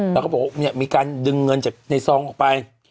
แล้วก็บอกว่ามีการดึงเงินจากในซองออกไป